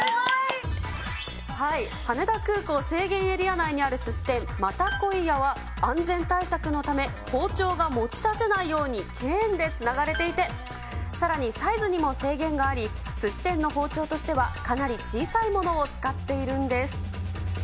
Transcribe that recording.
羽田空港制限エリア内にあるすし店、又こい家は安全対策のため、包丁が持ち出せないようにチェーンでつながれていてさらにサイズにも制限があり、すし店の包丁としてはかなり小さいものを使っているんです。